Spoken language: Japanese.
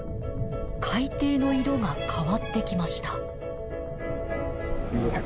海底の色が変わってきました。